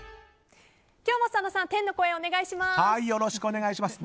今日も佐野さん天の声お願いします。